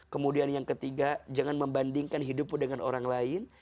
kemudian yang ketiga jangan membandingkan hidupmu dengan orang lain